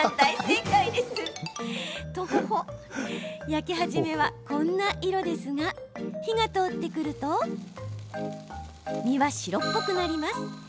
焼き始めは、こんな色ですが火が通ってくると身は白っぽくなります。